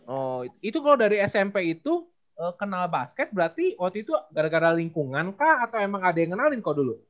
oh itu kalau dari smp itu kenal basket berarti waktu itu gara gara lingkungan kah atau emang ada yang ngenalin kok dulu